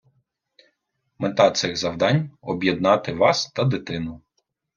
Мета цих завдань – об'єднати вас та дитину.